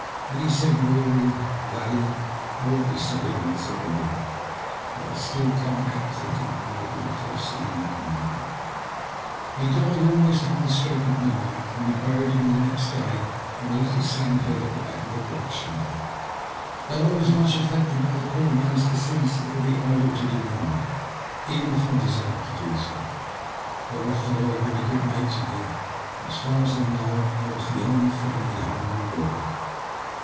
Then he said wearily, —" Laddie, I won't be sorry when it's all over. But still I can't help thinking I would like to have seen that mine." 22 THE LUST OF HATE. He died almost on the stroke of midnight, and we buried him next day on the little sandhill at the back of the grog shanty. That I was much affected by the poor old man's decease it would be idle to deny, even if I desired to do so. The old fellow had been a good mate to me, and, as far as I knew, I was the only friend he had in the world.